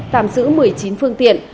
tạm giữ một mươi chín phương tiện